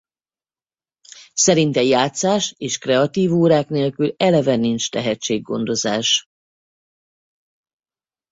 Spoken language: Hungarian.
Szerinte játszás és kreatív órák nélkül eleve nincs tehetséggondozás.